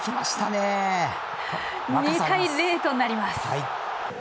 ２対０となります。